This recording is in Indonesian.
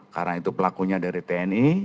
karena itu pelakunya dari tni